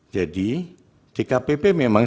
jadi di kpp memang